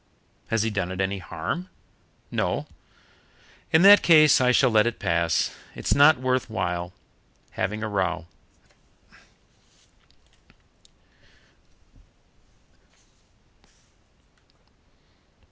"Has he done it any harm?" "No." "In that case I shall let it pass. It's not worth while having a row."